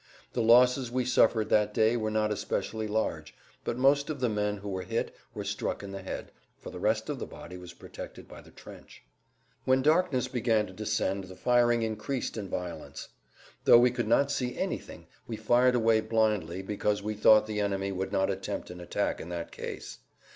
The losses we suffered that day were not especially large, but most of the men who were hit were struck in the[Pg 126] head, for the rest of the body was protected by the trench. When darkness began to descend the firing increased in violence. Though we could not see anything we fired away blindly because we thought the enemy would not attempt an attack in that case.